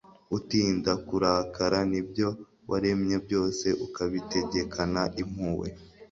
utinda kurakara, n'ibyo waremye byose ukabitegekana impuhwe